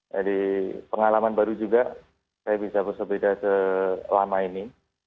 jadi pengalaman baru juga saya bisa bersepeda selama ini